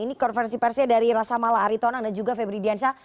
ini konferensi persnya dari rasa mala ariton ada juga febri diansyah